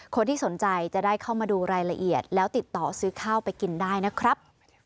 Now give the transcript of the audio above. คนที่สนใจจะได้เข้ามาดูรายละเอียดแล้วติดต่อซื้อข้าวไปกินได้นะครับ